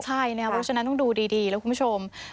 ใช่ฉะนั้นต้องดูดีละคุณผู้ชม